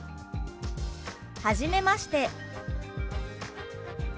「はじめまして」。